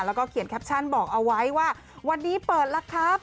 แล้วก็เขียนแคปชั่นบอกเอาไว้ว่าวันนี้เปิดแล้วครับ